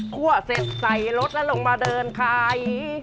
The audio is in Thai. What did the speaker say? เสร็จใส่รถแล้วลงมาเดินขาย